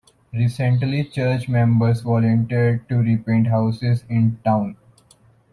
Recently church members volunteered to repaint houses in town.